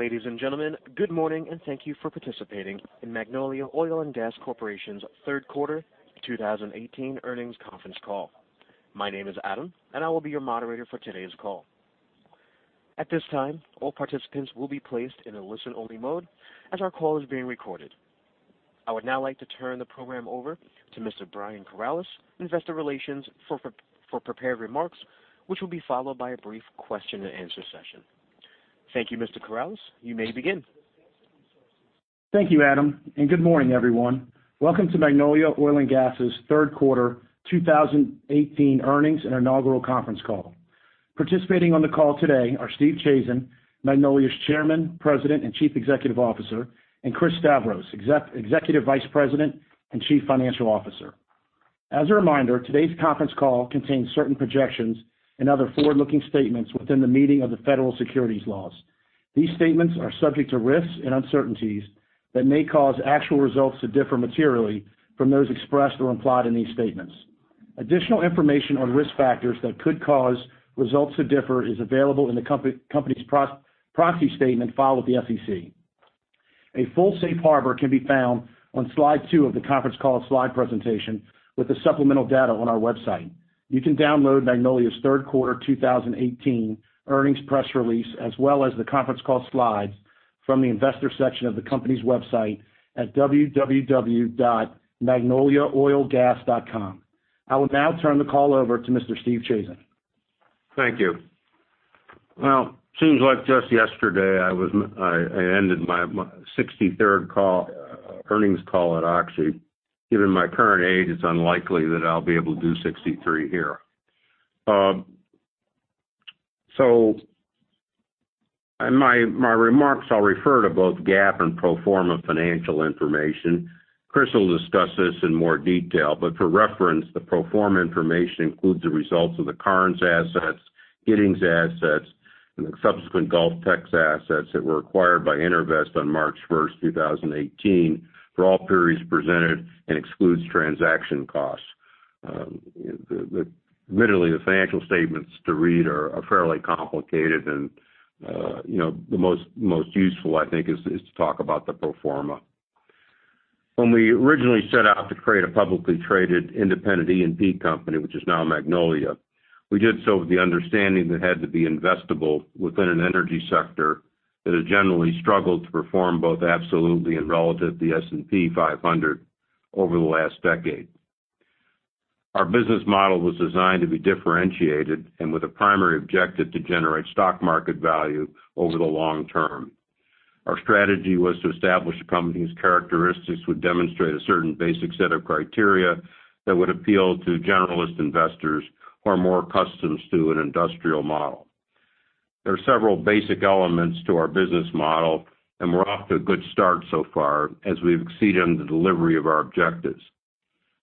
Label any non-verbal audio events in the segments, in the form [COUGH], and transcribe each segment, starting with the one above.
Ladies and gentlemen, good morning, and thank you for participating in Magnolia Oil & Gas Corporation's third quarter 2018 earnings conference call. My name is Adam, I will be your moderator for today's call. At this time, all participants will be placed in a listen-only mode as our call is being recorded. I would now like to turn the program over to Mr. Brian Corales, investor relations, for prepared remarks, which will be followed by a brief question-and-answer session. Thank you, Mr. Corales. You may begin. Thank you, Adam, good morning, everyone. Welcome to Magnolia Oil & Gas's third quarter 2018 earnings and inaugural conference call. Participating on the call today are Stephen Chazen, Magnolia's Chairman, President, and Chief Executive Officer, and Christopher Stavros, Executive Vice President and Chief Financial Officer. As a reminder, today's conference call contains certain projections and other forward-looking statements within the meaning of the federal securities laws. These statements are subject to risks and uncertainties that may cause actual results to differ materially from those expressed or implied in these statements. Additional information on risk factors that could cause results to differ is available in the company's proxy statement filed with the SEC. A full safe harbor can be found on slide two of the conference call slide presentation with the supplemental data on our website. You can download Magnolia's third quarter 2018 earnings press release, as well as the conference call slides from the investor section of the company's website at www.magnoliaoilgas.com. I will now turn the call over to Mr. Stephen Chazen. Thank you. Well, seems like just yesterday I ended my 63rd earnings call at Oxy. Given my current age, it's unlikely that I'll be able to do 63 here. In my remarks, I'll refer to both GAAP and pro forma financial information. Chris will discuss this in more detail, but for reference, the pro forma information includes the results of the Karnes assets, Giddings assets, and the subsequent GulfTex assets that were acquired by EnerVest on March 1st, 2018, for all periods presented and excludes transaction costs. Literally, the financial statements to read are fairly complicated and the most useful, I think, is to talk about the pro forma. When we originally set out to create a publicly traded independent E&P company, which is now Magnolia, we did so with the understanding that it had to be investable within an energy sector that has generally struggled to perform both absolutely and relative to the S&P 500 over the last decade. Our business model was designed to be differentiated and with a primary objective to generate stock market value over the long term. Our strategy was to establish a company's characteristics would demonstrate a certain basic set of criteria that would appeal to generalist investors who are more accustomed to an industrial model. There are several basic elements to our business model, and we're off to a good start so far as we've exceeded on the delivery of our objectives.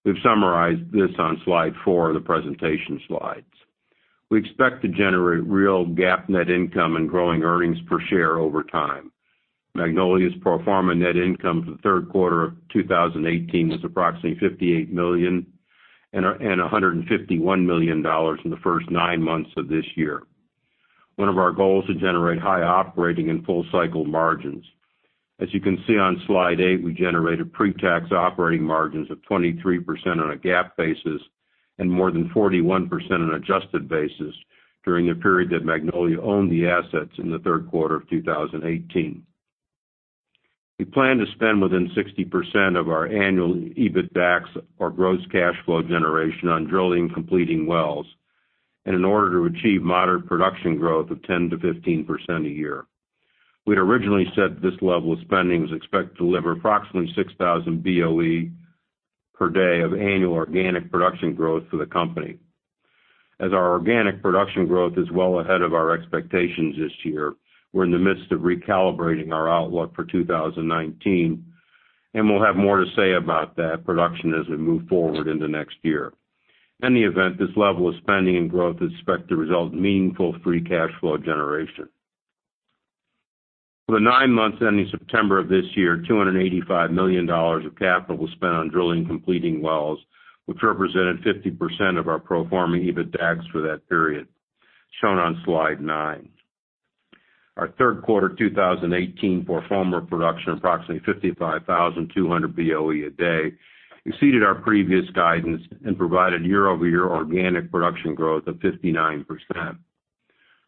We've summarized this on slide four of the presentation slides. We expect to generate real GAAP net income and growing earnings per share over time. Magnolia's pro forma net income for the third quarter of 2018 was approximately $58 million and $151 million in the first nine months of this year. One of our goals is to generate high operating and full-cycle margins. As you can see on slide eight, we generated pre-tax operating margins of 23% on a GAAP basis and more than 41% on an adjusted basis during the period that Magnolia owned the assets in the third quarter of 2018. We plan to spend within 60% of our annual EBITDAX or gross cash flow generation on drilling and completing wells, in order to achieve moderate production growth of 10%-15% a year. We'd originally set this level of spending, was expected to deliver approximately 6,000 BOE per day of annual organic production growth for the company. As our organic production growth is well ahead of our expectations this year, we're in the midst of recalibrating our outlook for 2019, we'll have more to say about that production as we move forward into next year. In any event, this level of spending and growth is expected to result in meaningful free cash flow generation. For the nine months ending September of this year, $285 million of capital was spent on drilling and completing wells, which represented 50% of our pro forma EBITDAX for that period, shown on slide nine. Our third quarter 2018 pro forma production, approximately 55,200 BOE a day, exceeded our previous guidance and provided year-over-year organic production growth of 59%.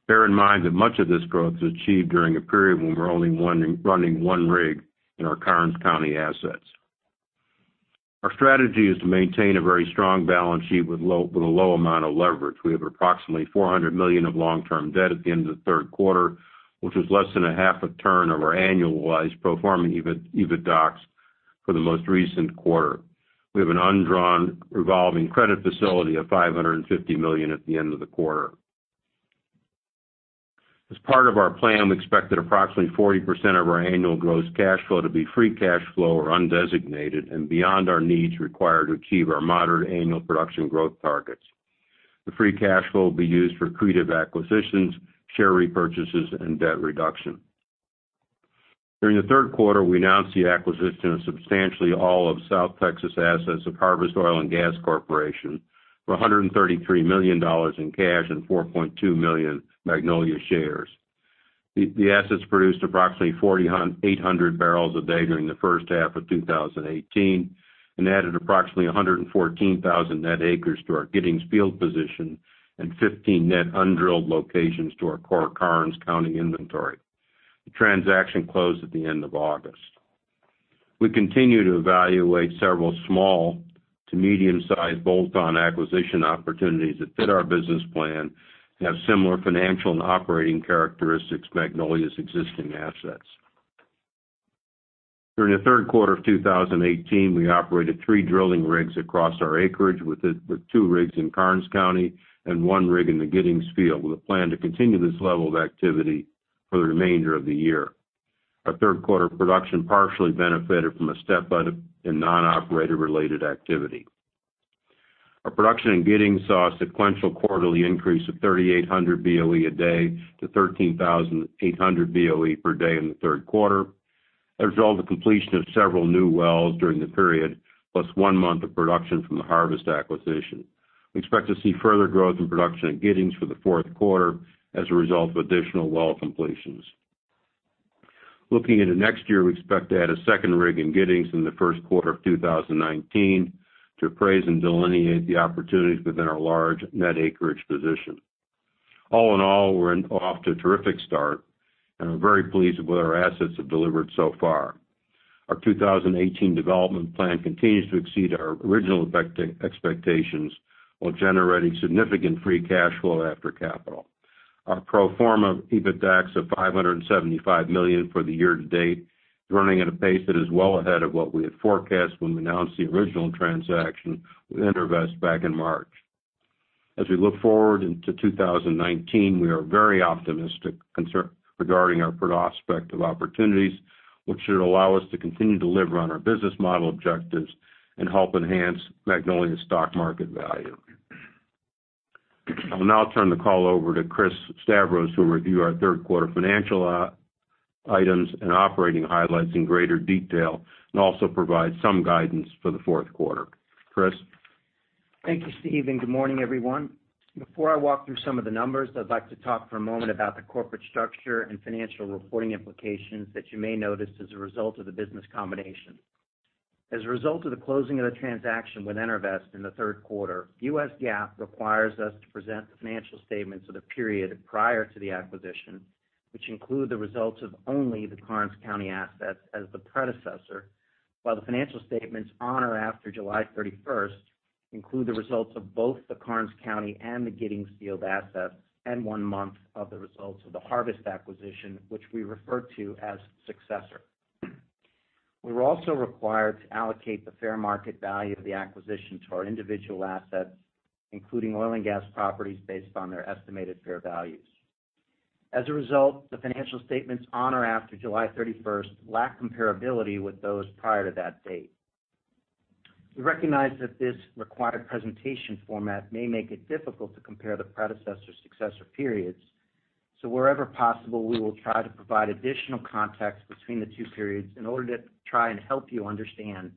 Bear in mind that much of this growth was achieved during a period when we're only running one rig in our Karnes County assets. Our strategy is to maintain a very strong balance sheet with a low amount of leverage. We have approximately $400 million of long-term debt at the end of the third quarter, which was less than a half a turn of our annualized pro forma EBITDAX for the most recent quarter. We have an undrawn revolving credit facility of $550 million at the end of the quarter. As part of our plan, we expect that approximately 40% of our annual gross cash flow to be free cash flow or undesignated and beyond our needs required to achieve our moderate annual production growth targets. The free cash flow will be used for accretive acquisitions, share repurchases, and debt reduction. During the third quarter, we announced the acquisition of substantially all of South Texas assets of Harvest Oil & Gas Corp. for $133 million in cash and 4.2 million Magnolia shares. The assets produced approximately 4,800 barrels a day during the first half of 2018 and added approximately 114,000 net acres to our Giddings Field position and 15 net undrilled locations to our core Karnes County inventory. The transaction closed at the end of August. We continue to evaluate several small to medium-sized bolt-on acquisition opportunities that fit our business plan and have similar financial and operating characteristics to Magnolia's existing assets. During the third quarter of 2018, we operated three drilling rigs across our acreage, with two rigs in Karnes County and one rig in the Giddings Field, with a plan to continue this level of activity for the remainder of the year. Our third quarter production partially benefited from a step-out in non-operator-related activity. Our production in Giddings saw a sequential quarterly increase of 3,800 BOE a day to 13,800 BOE per day in the third quarter as a result of completion of several new wells during the period, plus one month of production from the Harvest acquisition. We expect to see further growth in production at Giddings for the fourth quarter as a result of additional well completions. Looking into next year, we expect to add a second rig in Giddings in the first quarter of 2019 to appraise and delineate the opportunities within our large net acreage position. All in all, we're off to a terrific start, and we're very pleased with what our assets have delivered so far. Our 2018 development plan continues to exceed our original expectations while generating significant free cash flow after capital. Our pro forma EBITDAX of $575 million for the year to date is running at a pace that is well ahead of what we had forecast when we announced the original transaction with EnerVest back in March. As we look forward into 2019, we are very optimistic regarding our prospect of opportunities, which should allow us to continue to deliver on our business model objectives and help enhance Magnolia's stock market value. I'll now turn the call over to Chris Stavros, who will review our third quarter financial items and operating highlights in greater detail and also provide some guidance for the fourth quarter. Chris? Thank you, Steve, and good morning, everyone. Before I walk through some of the numbers, I'd like to talk for a moment about the corporate structure and financial reporting implications that you may notice as a result of the business combination. As a result of the closing of the transaction with EnerVest in the third quarter, US GAAP requires us to present the financial statements of the period prior to the acquisition, which include the results of only the Karnes County assets as the predecessor, while the financial statements on or after July 31st include the results of both the Karnes County and the Giddings Field assets and one month of the results of the Harvest acquisition, which we refer to as successor. We're also required to allocate the fair market value of the acquisition to our individual assets, including oil and gas properties, based on their estimated fair values. As a result, the financial statements on or after July 31st lack comparability with those prior to that date. We recognize that this required presentation format may make it difficult to compare the predecessor/successor periods, so wherever possible, we will try to provide additional context between the two periods in order to try and help you understand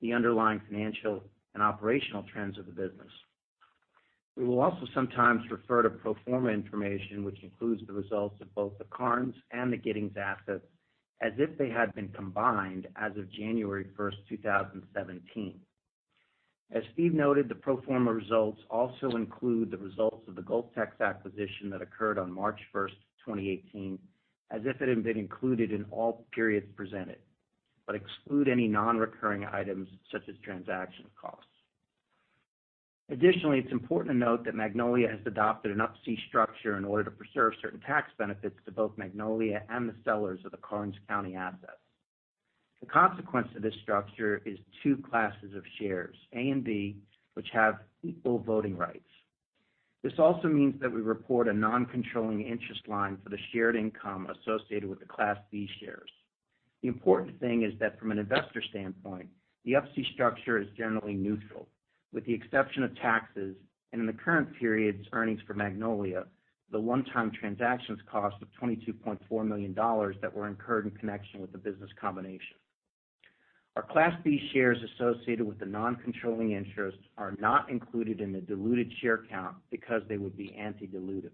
the underlying financial and operational trends of the business. We will also sometimes refer to pro forma information, which includes the results of both the Karnes and the Giddings assets, as if they had been combined as of January 1st, 2017. As Steve noted, the pro forma results also include the results of the GulfTex acquisition that occurred on March 1st, 2018, as if it had been included in all periods presented but exclude any non-recurring items such as transaction costs. Additionally, it's important to note that Magnolia has adopted an Up-C structure in order to preserve certain tax benefits to both Magnolia and the sellers of the Karnes County assets. The consequence of this structure is two classes of shares, A and B, which have equal voting rights. This also means that we report a non-controlling interest line for the shared income associated with the Class B shares. The important thing is that from an investor standpoint, the Up-C structure is generally neutral, with the exception of taxes and in the current period's earnings for Magnolia, the one-time transactions cost of $22.4 million that were incurred in connection with the business combination. Our Class B shares associated with the non-controlling interests are not included in the diluted share count because they would be anti-dilutive.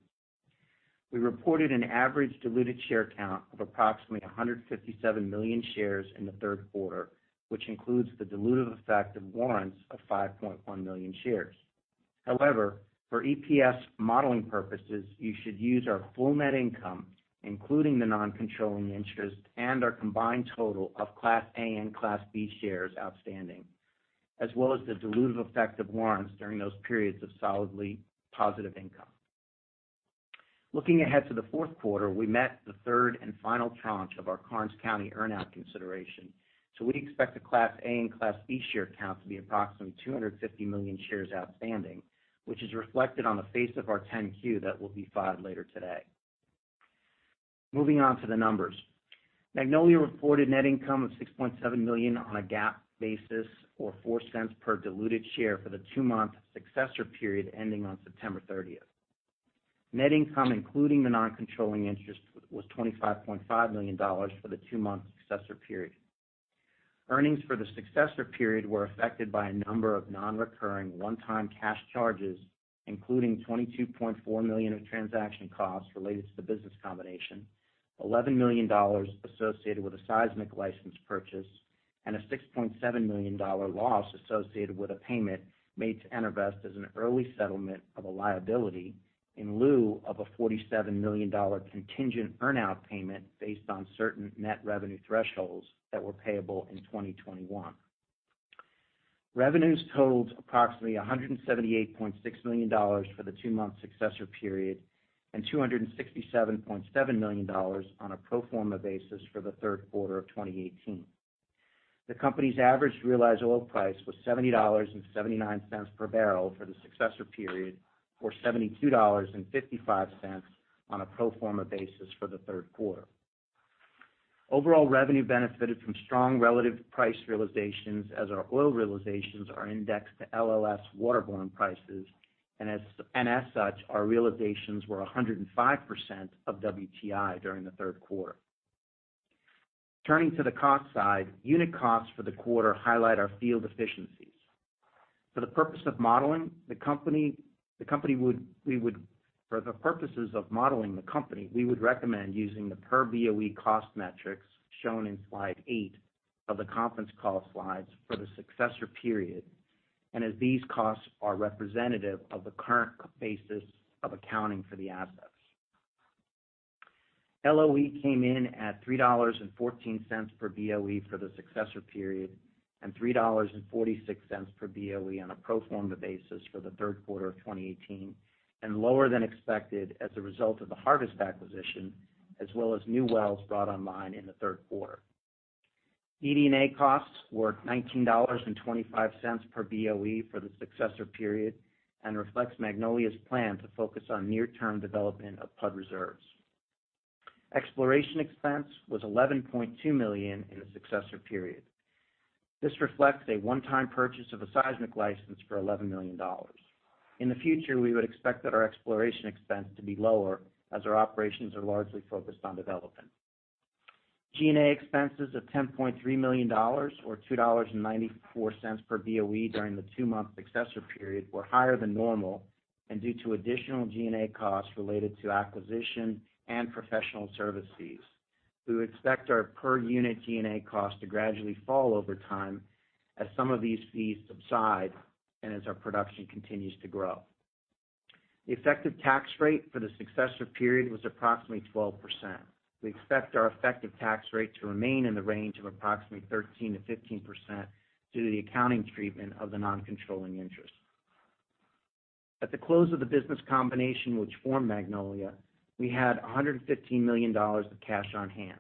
We reported an average diluted share count of approximately 157 million shares in the third quarter, which includes the dilutive effect of warrants of 5.1 million shares. However, for EPS modeling purposes, you should use our full net income, including the non-controlling interest and our combined total of Class A and Class B shares outstanding, as well as the dilutive effect of warrants during those periods of solidly positive income. Looking ahead to the fourth quarter, we met the third and final tranche of our Karnes County earn-out consideration. So we expect the Class A and Class B share count to be approximately 250 million shares outstanding, which is reflected on the face of our 10-Q that will be filed later today. Moving on to the numbers. Magnolia reported net income of $6.7 million on a GAAP basis, or $0.04 per diluted share for the two-month successor period ending on September 30th. Net income, including the non-controlling interest, was $25.5 million for the two-month successor period. Earnings for the successor period were affected by a number of non-recurring one-time cash charges, including $22.4 million of transaction costs related to the business combination, $11 million associated with a seismic license purchase, and a $6.7 million loss associated with a payment made to EnerVest as an early settlement of a liability in lieu of a $47 million contingent earn-out payment based on certain net revenue thresholds that were payable in 2021. Revenues totaled approximately $178.6 million for the two-month successor period and $267.7 million on a pro forma basis for the third quarter of 2018. The company's average realized oil price was $70.79 per barrel for the successor period, or $72.55 on a pro forma basis for the third quarter. Overall revenue benefited from strong relative price realizations as our oil realizations are indexed to LLS waterborne prices. As such, our realizations were 105% of WTI during the third quarter. Turning to the cost side, unit costs for the quarter highlight our field efficiencies. For the purpose of modeling the company, we would recommend using the per Boe cost metrics shown in slide eight of the conference call slides for the successor period. As these costs are representative of the current basis of accounting for the assets. LOE came in at $3.14 per Boe for the successor period and $3.46 per Boe on a pro forma basis for the third quarter of 2018. Lower than expected as a result of the Harvest acquisition, as well as new wells brought online in the third quarter. DD&A costs were $19.25 per Boe for the successor period and reflects Magnolia's plan to focus on near-term development of PUD reserves. Exploration expense was $11.2 million in the successor period. This reflects a one-time purchase of a seismic license for $11 million. In the future, we would expect that our exploration expense to be lower as our operations are largely focused on development. G&A expenses of $10.3 million, or $2.94 per Boe during the two-month successor period, were higher than normal and due to additional G&A costs related to acquisition and professional service fees. We would expect our per-unit G&A cost to gradually fall over time as some of these fees subside and as our production continues to grow. The effective tax rate for the successor period was approximately 12%. We expect our effective tax rate to remain in the range of approximately 13%-15% due to the accounting treatment of the non-controlling interest. At the close of the business combination which formed Magnolia, we had $115 million of cash on hand.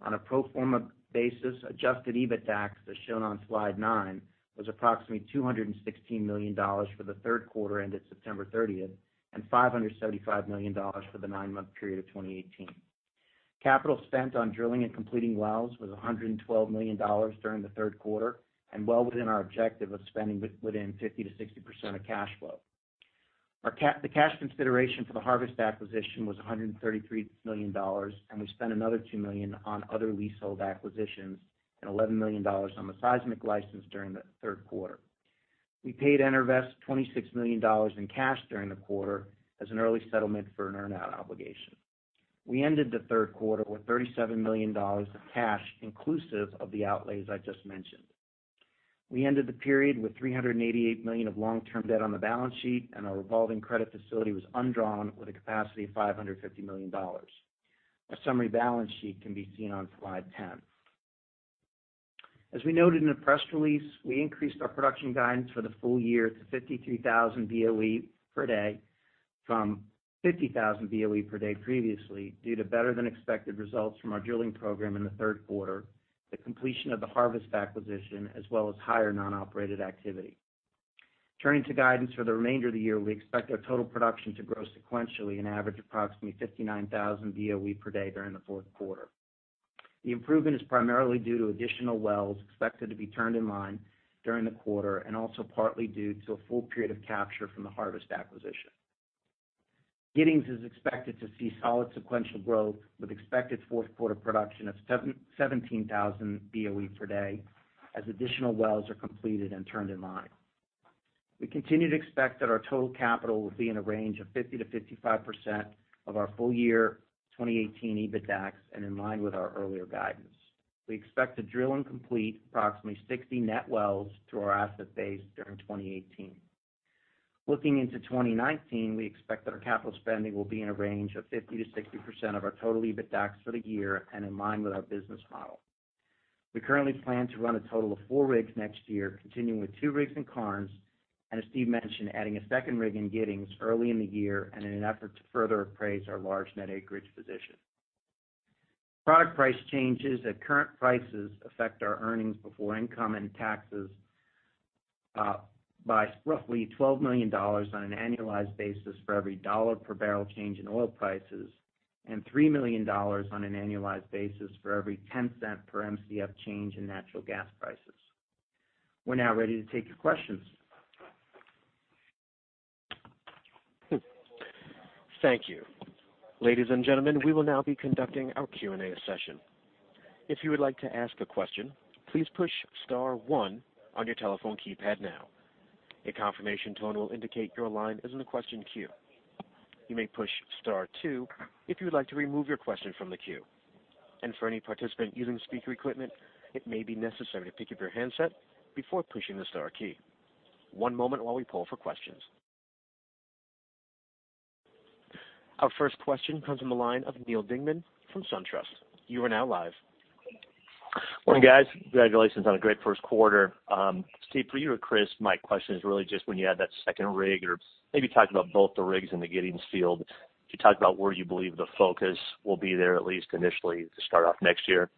On a pro forma basis, adjusted EBITDAX, as shown on slide nine, was approximately $216 million for the third quarter ended September 30th, $575 million for the nine-month period of 2018. Capital spent on drilling and completing wells was $112 million during the third quarter. Well within our objective of spending within 50%-60% of cash flow. The cash consideration for the Harvest acquisition was $133 million. We spent another $2 million on other leasehold acquisitions, $11 million on the seismic license during the third quarter. We paid EnerVest $26 million in cash during the quarter as an early settlement for an earn-out obligation. We ended the third quarter with $37 million of cash inclusive of the outlays I just mentioned. We ended the period with $388 million of long-term debt on the balance sheet. Our revolving credit facility was undrawn with a capacity of $550 million. A summary balance sheet can be seen on slide 10. As we noted in the press release, we increased our production guidance for the full year to 53,000 BOE per day from 50,000 BOE per day previously due to better than expected results from our drilling program in the third quarter, the completion of the Harvest acquisition, as well as higher non-operated activity. Turning to guidance for the remainder of the year, we expect our total production to grow sequentially and average approximately 59,000 BOE per day during the fourth quarter. The improvement is primarily due to additional wells expected to be turned in line during the quarter, and also partly due to a full period of capture from the Harvest acquisition. Giddings is expected to see solid sequential growth with expected fourth quarter production of 17,000 BOE per day as additional wells are completed and turned in line. We continue to expect that our total capital will be in a range of 50%-55% of our full year 2018 EBITDAX and in line with our earlier guidance. We expect to drill and complete approximately 60 net wells through our asset base during 2018. Looking into 2019, we expect that our capital spending will be in a range of 50%-60% of our total EBITDAX for the year and in line with our business model. We currently plan to run a total of four rigs next year, continuing with two rigs in Karnes, and as Steve mentioned, adding a second rig in Giddings early in the year in an effort to further appraise our large net acreage position. Product price changes at current prices affect our earnings before income and taxes by roughly $12 million on an annualized basis for every dollar per barrel change in oil prices, and $3 million on an annualized basis for every $0.10 per Mcf change in natural gas prices. We're now ready to take your questions. Thank you. Ladies and gentlemen, we will now be conducting our Q&A session. If you would like to ask a question, please push star one on your telephone keypad now. A confirmation tone will indicate your line is in the question queue. You may push star two if you would like to remove your question from the queue. For any participant using speaker equipment, it may be necessary to pick up your handset before pushing the star key. One moment while we poll for questions. Our first question comes from the line of Neal Dingmann from SunTrust. You are now live. Morning, guys. Congratulations on a great first quarter. Steve, for you or Chris, my question is really just when you add that second rig or maybe talking about both the rigs in the Giddings field, could you talk about where you believe the focus will be there, at least initially, to start off next year?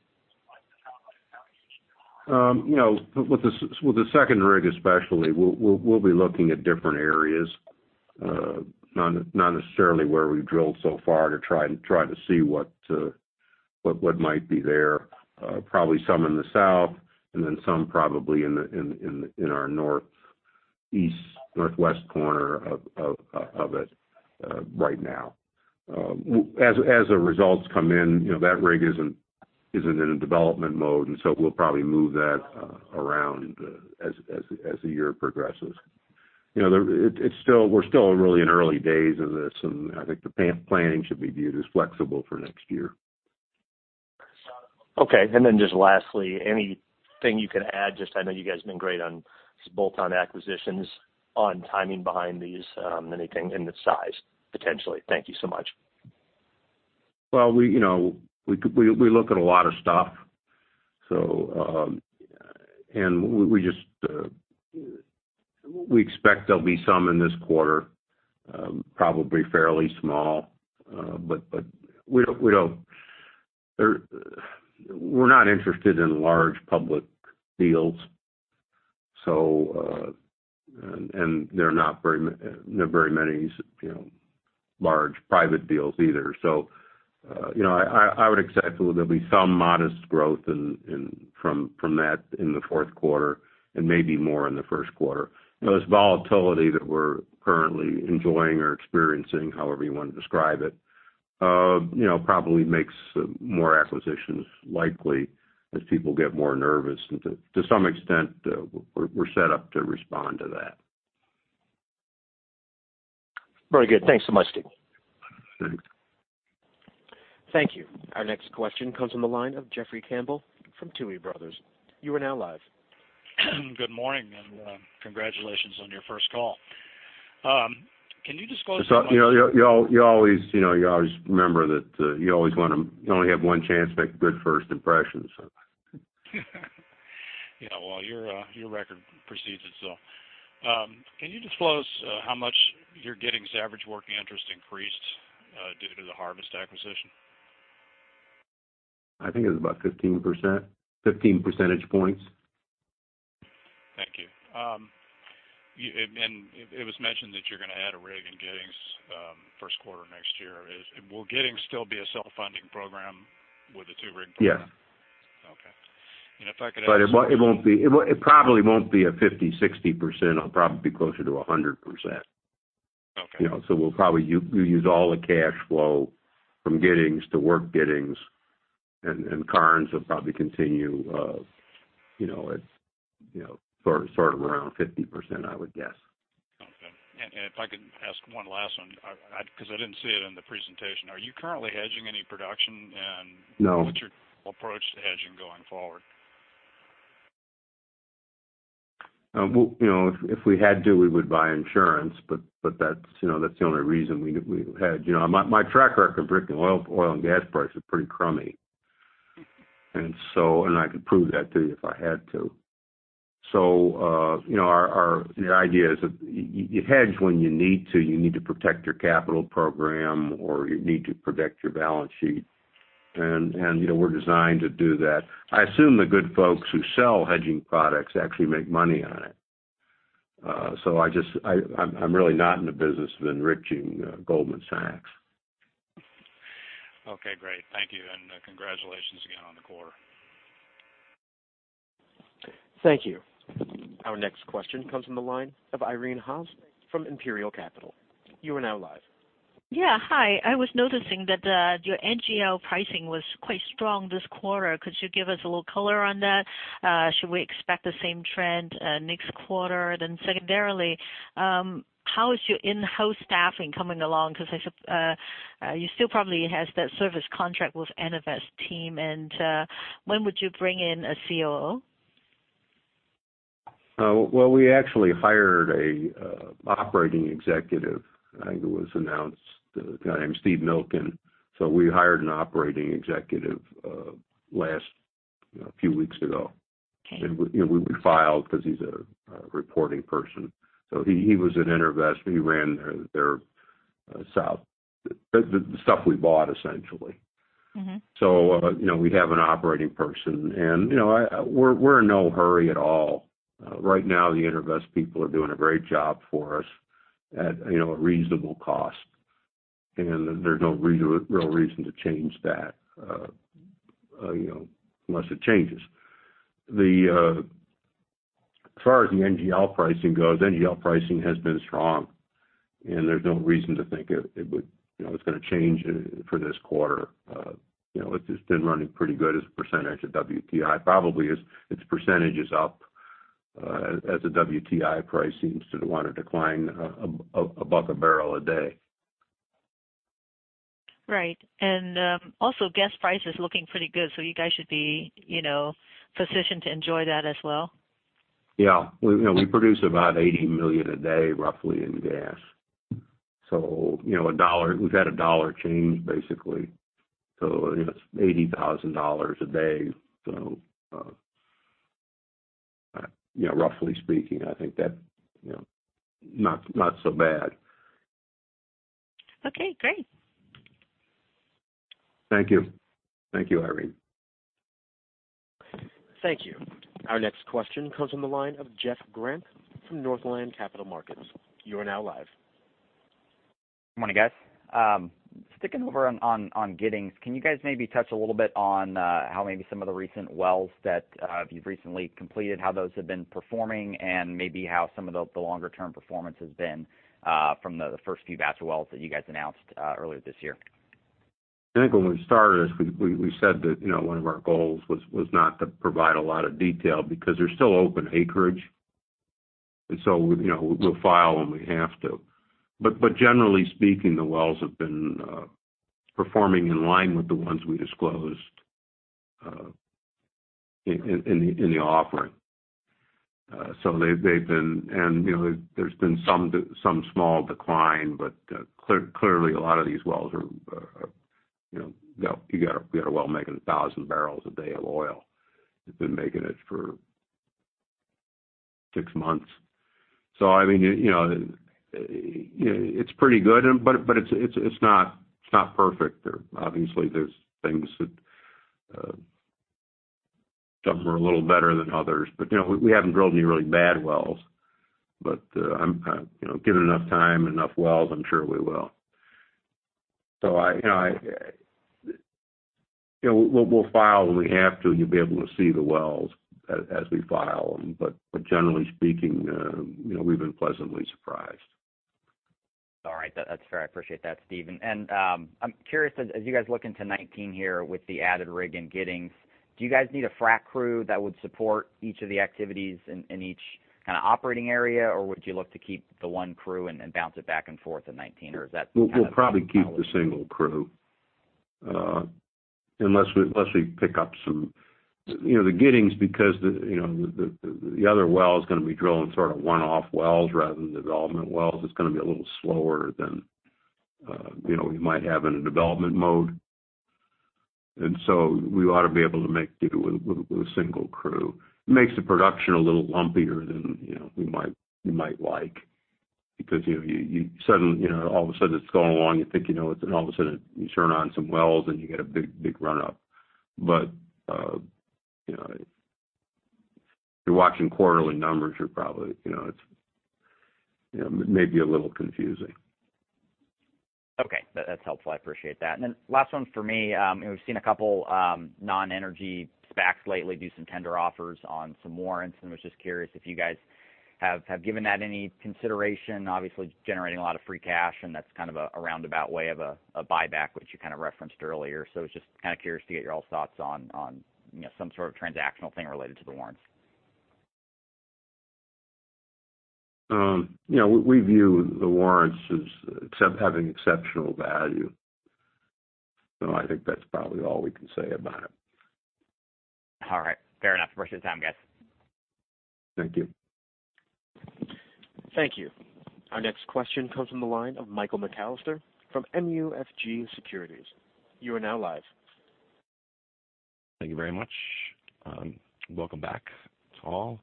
With the second rig especially, we'll be looking at different areas. Not necessarily where we've drilled so far to try to see what might be there. Probably some in the south, then some probably in our northeast, northwest corner of it right now. As the results come in, that rig isn't in a development mode, we'll probably move that around as the year progresses. We're still really in early days of this, and I think the planning should be viewed as flexible for next year. Okay. Just lastly, anything you can add, just I know you guys have been great on these bolt-on acquisitions, on timing behind these, anything, and the size, potentially. Thank you so much. Well, we look at a lot of stuff. We expect there'll be some in this quarter, probably fairly small. We're not interested in large public deals, and there are not very many large private deals either. I would expect there'll be some modest growth from that in the fourth quarter and maybe more in the first quarter. This volatility that we're currently enjoying or experiencing, however you want to describe it, probably makes more acquisitions likely as people get more nervous. To some extent, we're set up to respond to that. Very good. Thanks so much, Steve. Thanks. Thank you. Our next question comes from the line of Jeffrey Campbell from Tuohy Brothers. You are now live. Good morning. Congratulations on your first call. Can you disclose how much. You always remember that you only have one chance to make a good first impression. Yeah, well, your record precedes itself. Can you disclose how much your Giddings average working interest increased due to the Harvest acquisition? I think it was about 15 percentage points. Thank you. It was mentioned that you're going to add a rig in Giddings first quarter next year. Will Giddings still be a self-funding program with a two-rig program? Yeah. Okay. It probably won't be a 50%, 60%. It'll probably be closer to 100%. Okay. We'll probably use all the cash flow from Giddings to work Giddings, and Karnes will probably continue at sort of around 50%, I would guess. Okay. If I could ask one last one, because I didn't see it in the presentation. Are you currently hedging any production? No. What's your approach to hedging going forward? If we had to, we would buy insurance, but that's the only reason we would hedge. My track record for predicting oil and gas prices is pretty crummy. I could prove that to you if I had to. The idea is that you hedge when you need to. You need to protect your capital program, or you need to protect your balance sheet. We're designed to do that. I assume the good folks who sell hedging products actually make money on it. I'm really not in the business of enriching Goldman Sachs. Okay, great. Thank you. Congratulations again on the quarter. Thank you. Our next question comes from the line of Irene Haas from Imperial Capital. You are now live. Yeah. Hi. I was noticing that your NGL pricing was quite strong this quarter. Could you give us a little color on that? Should we expect the same trend next quarter? Secondarily, how is your in-house staffing coming along? Because you still probably have that service contract with EnerVest team. When would you bring in a COO? Well, we actually hired an operating executive, I think it was announced, a guy named Steve Millican. We hired an operating executive a few weeks ago. Okay. We filed because he is a reporting person. He was at EnerVest. He ran their the stuff we bought, essentially. We have an operating person, and we're in no hurry at all. Right now, the EnerVest people are doing a great job for us at a reasonable cost. And there's no real reason to change that unless it changes. As far as the NGL pricing goes, NGL pricing has been strong, and there's no reason to think it's going to change for this quarter. It's just been running pretty good as a percentage of WTI. Probably its percentage is up as the WTI price seems to want to decline above a barrel a day. Right. Also gas price is looking pretty good, so you guys should be positioned to enjoy that as well. Yeah. We produce about $80 million a day, roughly, in gas. We've had a dollar change, basically. It's $80,000 a day. Roughly speaking, I think that's not so bad. Okay, great. Thank you. Thank you, Irene. Thank you. Our next question comes from the line of Jeff Grampp from Northland Capital Markets. You are now live. Good morning, guys. Sticking over on Giddings, can you guys maybe touch a little bit on how maybe some of the recent wells that you've recently completed, how those have been performing and maybe how some of the longer-term performance has been from the first few batch of wells that you guys announced earlier this year? I think when we started this, we said that one of our goals was not to provide a lot of detail because they're still open acreage. We'll file when we have to. Generally speaking, the wells have been performing in line with the ones we disclosed in the offering. There's been some small decline, but clearly, a lot of these wells, we've got a well making 1,000 barrels a day of oil. It's been making it for six months. I mean, it's pretty good, but it's not perfect. Obviously, there's things that some are a little better than others. We haven't drilled any really bad wells, but given enough time, enough wells, I'm sure we will. We'll file when we have to, and you'll be able to see the wells as we file them. Generally speaking, we've been pleasantly surprised. All right. That's fair. I appreciate that, Steve. I'm curious, as you guys look into 2019 here with the added rig in Giddings, do you guys need a frac crew that would support each of the activities in each kind of operating area? Would you look to keep the one crew and bounce it back and forth in 2019? Is that kind of- We'll probably keep the single crew. Unless we pick up the Giddings, because the other well's going to be drilling sort of one-off wells rather than development wells. It's going to be a little slower than we might have in a development mode. We ought to be able to make do with a single crew. It makes the production a little lumpier than we might like, because all of a sudden it's going along, you think you know it, then all of a sudden you turn on some wells and you get a big run-up. If you're watching quarterly numbers, it may be a little confusing. Okay. That's helpful. I appreciate that. Last one from me. We've seen a couple non-energy SPACs lately do some tender offers on some warrants, was just curious if you guys have given that any consideration. Obviously, generating a lot of free cash, and that's kind of a roundabout way of a buyback, which you kind of referenced earlier. Was just kind of curious to get your all's thoughts on some sort of transactional thing related to the warrants. We view the warrants as having exceptional value. I think that's probably all we can say about it. All right. Fair enough. Appreciate the time, guys. Thank you. Thank you. Our next question comes from the line of Michael McAllister from MUFG Securities. You are now live. Thank you very much. Welcome back to all.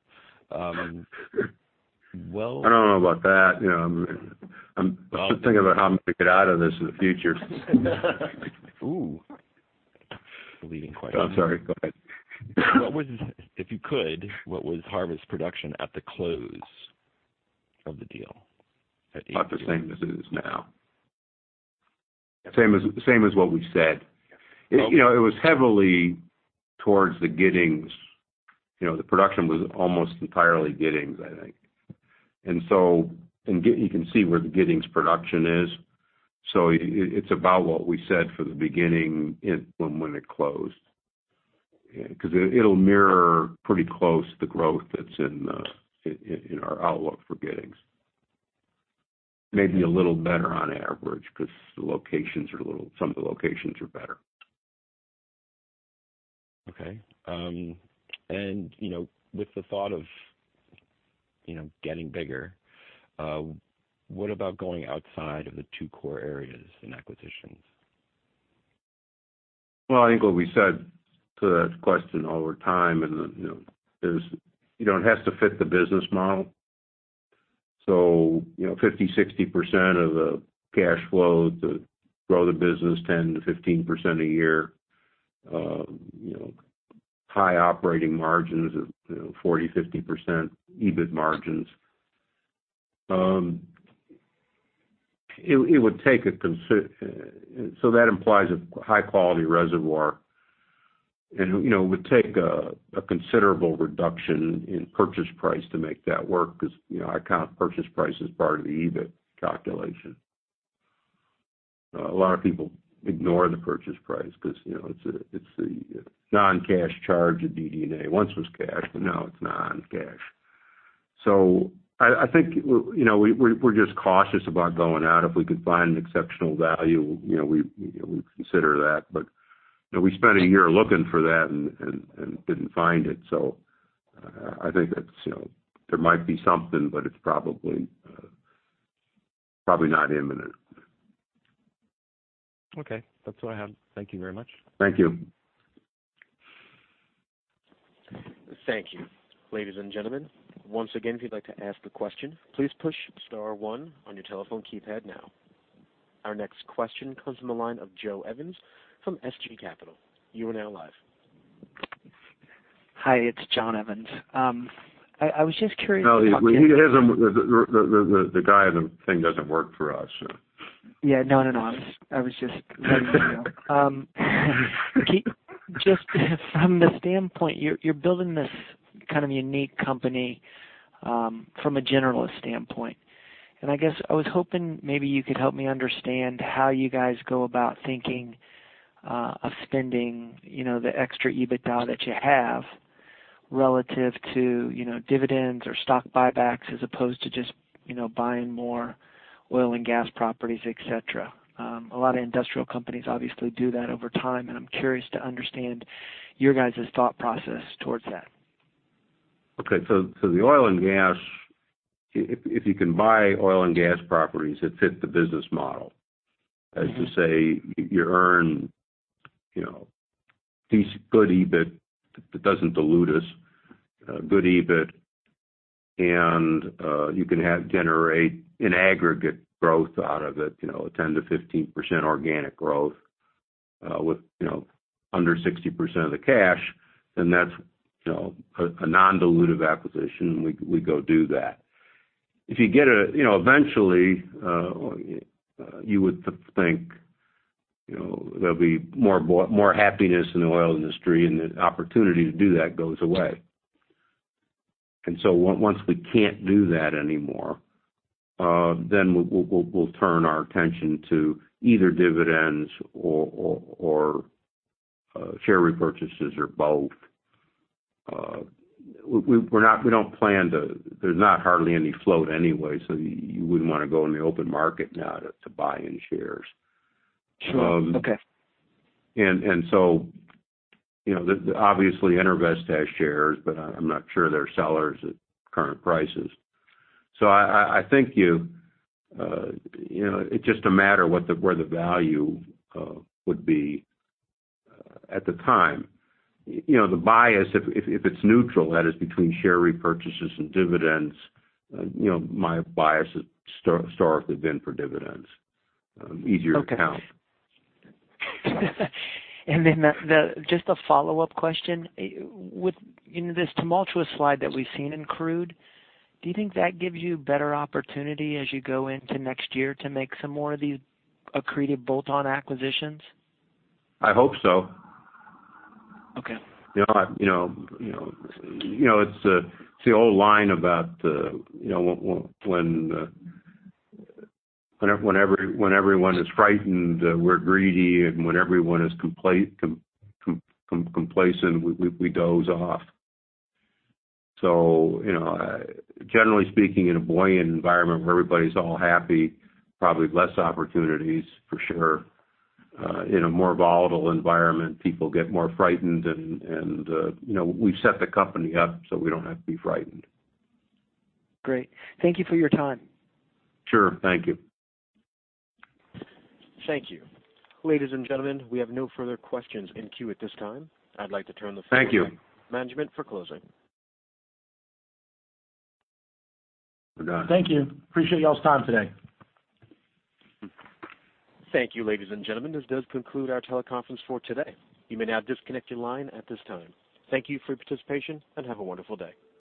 I don't know about that. I'm just thinking about how I'm going to get out of this in the future. Ooh. Leading question. Oh, I'm sorry. Go ahead. If you could, what was Harvest production at the close of the deal at [CROSSTALK] About the same as it is now. Same as what we said. Okay. It was heavily towards the Giddings. The production was almost entirely Giddings, I think. You can see where the Giddings production is. It's about what we said from the beginning from when it closed. It'll mirror pretty close the growth that's in our outlook for Giddings. Maybe a little better on average because some of the locations are better. Okay. With the thought of getting bigger, what about going outside of the two core areas in acquisitions? Well, I think what we said to that question over time is, it has to fit the business model. 50%-60% of the cash flows to grow the business 10%-15% a year. High operating margins of 40%-50% EBIT margins. That implies a high-quality reservoir. It would take a considerable reduction in purchase price to make that work because I count purchase price as part of the EBIT calculation. A lot of people ignore the purchase price because it's the non-cash charge at DD&A. Once was cash, but now it's non-cash. I think we're just cautious about going out. If we could find exceptional value, we'd consider that. We spent a year looking for that and didn't find it. I think there might be something, but it's probably not imminent. Okay. That's what I have. Thank you very much. Thank you. Thank you. Ladies and gentlemen, once again, if you'd like to ask a question, please push star one on your telephone keypad now. Our next question comes from the line of John Evans from SG Capital. You are now live. Hi, it's John Evans. I was just curious. No, the thing doesn't work for us. Yeah. No, I was just letting you know. Just from the standpoint, you're building this kind of unique company from a generalist standpoint. I guess I was hoping maybe you could help me understand how you guys go about thinking of spending the extra EBITDA that you have relative to dividends or stock buybacks, as opposed to just buying more oil and gas properties, et cetera. A lot of industrial companies obviously do that over time, and I'm curious to understand your guys' thought process towards that. Okay. The oil and gas, if you can buy oil and gas properties that fit the business model. As you say, you earn decent, good EBIT that doesn't dilute us. Good EBIT, you can generate an aggregate growth out of it, 10%-15% organic growth, with under 60% of the cash, that's a non-dilutive acquisition, we go do that. Eventually, you would think there'll be more happiness in the oil industry and the opportunity to do that goes away. Once we can't do that anymore, we'll turn our attention to either dividends or share repurchases or both. There's not hardly any float anyway, you wouldn't want to go in the open market now to buying shares. Sure. Okay. Obviously EnerVest has shares, but I'm not sure they're sellers at current prices. I think it's just a matter where the value would be at the time. The bias, if it's neutral, that is between share repurchases and dividends, my bias has historically been for dividends. Easier to count. Okay. Just a follow-up question. With this tumultuous slide that we've seen in crude, do you think that gives you better opportunity as you go into next year to make some more of these accretive bolt-on acquisitions? I hope so. Okay. It's the old line about when everyone is frightened, we're greedy, and when everyone is complacent, we doze off. Generally speaking, in a buoyant environment where everybody's all happy, probably less opportunities for sure. In a more volatile environment, people get more frightened, and we've set the company up so we don't have to be frightened. Great. Thank you for your time. Sure. Thank you. Thank you. Ladies and gentlemen, we have no further questions in queue at this time. I'd like to turn the floor- Thank you. to management for closing. We're done. Thank you. Appreciate y'all's time today. Thank you, ladies and gentlemen. This does conclude our teleconference for today. You may now disconnect your line at this time. Thank you for your participation, and have a wonderful day.